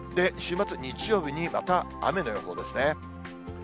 週末、日曜日に、また雨の予報ですね。